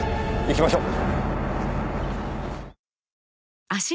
行きましょう。